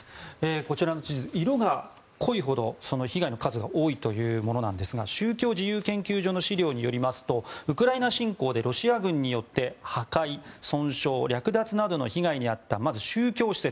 こちらの地図色が濃いほど被害の数が多いというものなんですが宗教自由研究所の資料によりますとウクライナ侵攻でロシア軍によって破壊・損傷・略奪などの被害に遭ったまず宗教施設。